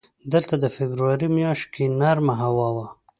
دلته د فبروري میاشت کې نرمه هوا وه.